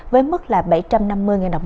với mức là bảy trăm năm mươi đồng